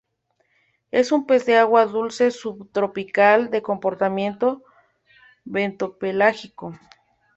Es un pez de agua dulce subtropical, de comportamiento bentopelágico.